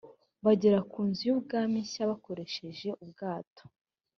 bagera ku nzu y’ubwami nshya bakoresheje ubwato